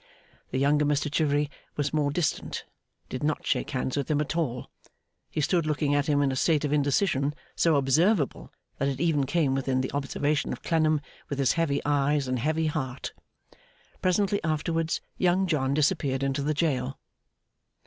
The younger Mr Chivery, more distant, did not shake hands with him at all; he stood looking at him in a state of indecision so observable that it even came within the observation of Clennam with his heavy eyes and heavy heart. Presently afterwards, Young John disappeared into the jail.